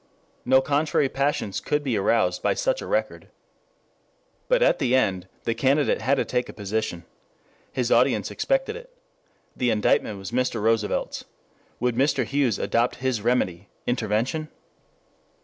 No contrary passions could be aroused by such a record. But at the end the candidate had to take a position. His audience expected it. The indictment was Mr. Roosevelt's. Would Mr. Hughes adopt his remedy, intervention?